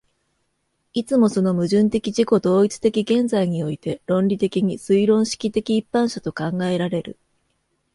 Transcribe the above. いつもその矛盾的自己同一的現在において論理的に推論式的一般者と考えられる。